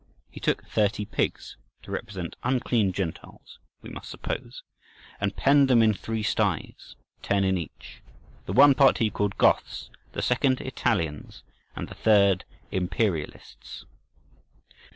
He took thirty pigs—to represent unclean Gentiles, we must suppose—and penned them in three styes, ten in each. The one part he called "Goths," the second "Italians," and the third "Imperialists."